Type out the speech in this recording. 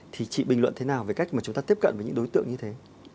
thì chị bình luận thế nào về cách mà chúng ta tiếp cận với những đối tượng như thế